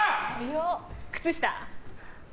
靴下！